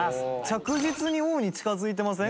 着実に王に近づいてません？